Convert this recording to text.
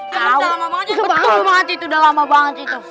betul banget itu udah lama banget itu